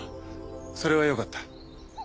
それはよかった。